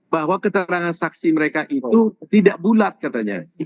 bahwa keterangan saksi mereka itu tidak bulat katanya